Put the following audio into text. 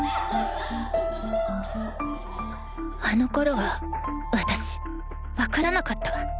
あのころは私分からなかった。